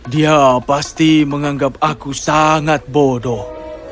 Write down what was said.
dia pasti menganggap aku sangat bodoh